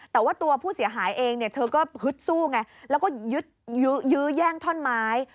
แต่ว่าตัวผู้เสียหายเองเนี่ยเธอก็ฮึดสู้ไงแล้วก็ยื้อแย่งท่อนไม้